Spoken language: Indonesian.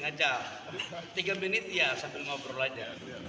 tiga menit ya sampai ngobrol aja